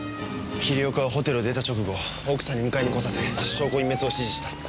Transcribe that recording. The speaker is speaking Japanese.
桐岡はホテルを出た直後奥さんに迎えに来させ証拠隠滅を指示した。